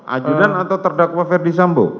ajudan atau terdakwa ferdi sambo